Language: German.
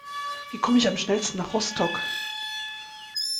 Wie komme ich am schnellsten nach Rostock?